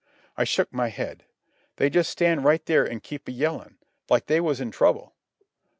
I shook my head. "They just stand right there an' keep a yellin' like they was in trouble."